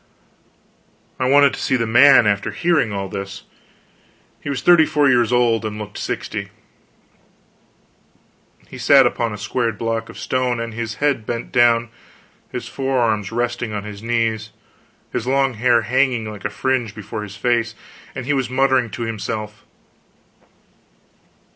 I wanted to see the man, after hearing all this. He was thirty four years old, and looked sixty. He sat upon a squared block of stone, with his head bent down, his forearms resting on his knees, his long hair hanging like a fringe before his face, and he was muttering to himself.